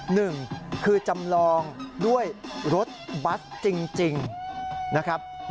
หนึ่งคือจำลองด้วยรถบัสจริงนะครับ